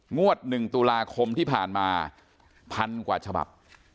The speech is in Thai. งวด๑ตุลาคมที่ผ่านมา๑๐๐กว่าฉบับ